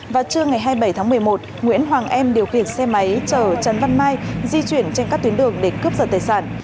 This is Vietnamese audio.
vào trưa ngày hai mươi bảy tháng một mươi một nguyễn hoàng em điều khiển xe máy chở trần văn mai di chuyển trên các tuyến đường để cướp giật tài sản